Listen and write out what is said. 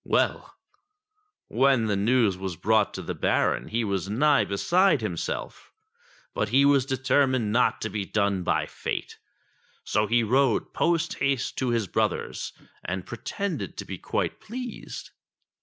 Well ! when the news was brought to the Baron, he was nigh beside himself; but he was determined not to be done by Fate. So he rode post haste to his brother's and pre tended to be quite pleased.